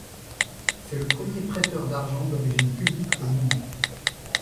C'est le premier prêteur d’argent d'origine publique au monde.